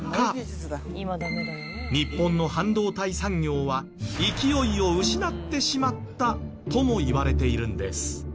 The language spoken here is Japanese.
日本の半導体産業は勢いを失ってしまったともいわれているんです。